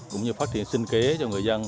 cũng như phát triển sinh kế cho người dân